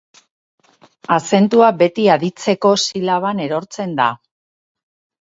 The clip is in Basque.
Azentua beti aditzeko silaban erortzen da.